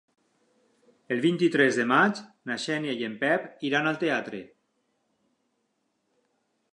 El vint-i-tres de maig na Xènia i en Pep iran al teatre.